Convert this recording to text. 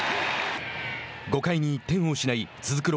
５回に１点を失い続く